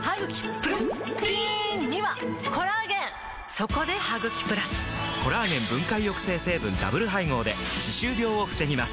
そこで「ハグキプラス」！コラーゲン分解抑制成分ダブル配合で歯周病を防ぎます